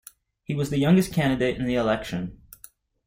He was the youngest candidate in the election.